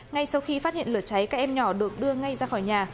ngay sau khi phát hiện lửa cháy các em nhỏ được đưa ngay ra khỏi nhà